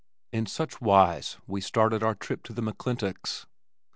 In such wise we started on our trip to the McClintocks'.